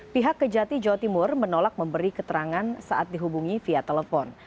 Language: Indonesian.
pihak kejati jawa timur menolak memberi keterangan saat dihubungi via telepon